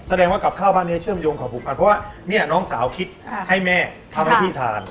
แสดงว่ากับข้าวบ้านนี้เชื่อมโยงกับผูกพันเพราะว่าเนี่ยน้องสาวคิดให้แม่ทำให้พี่ทาน